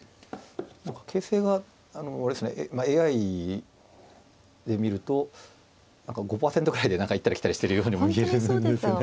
何か形勢があのあれですねＡＩで見ると何か５％ぐらいで行ったり来たりしてるようにも見えるんですよね。